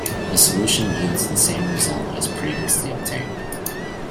The solution yields the same results as previously obtained.